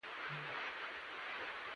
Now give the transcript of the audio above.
باديوه په هوا ده.